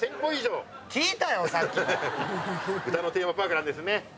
豚のテーマパークなんですね。